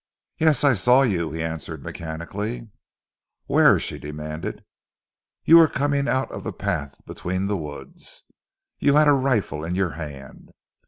"Yes, I saw you," he answered mechanically. "Where?" she demanded. "You were coming out of the path between the woods. You had a rifle in your hand.